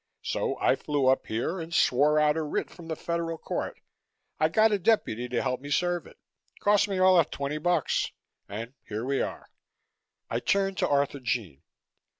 So I flew up here and swore out a writ from the Federal Court. I got a deputy to help me serve it cost me all of twenty bucks and here we are." I turned to Arthurjean.